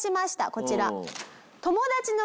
こちら。